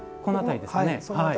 その辺りですね。